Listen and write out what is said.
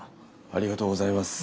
ありがとうございます。